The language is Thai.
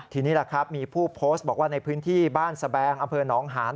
ทีนี้มีผู้โพสต์บอกว่าในพื้นที่บ้านแสบงอเผินน้องหาร